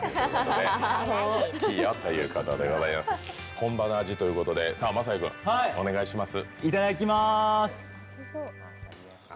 本場の味ということで、晶哉君、お願いします。